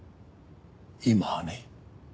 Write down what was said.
今はね。